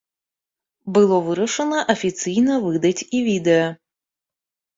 Было вырашана афіцыйна выдаць і відэа.